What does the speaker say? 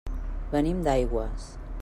Venim d'Aigües.